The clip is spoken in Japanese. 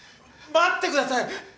待ってください！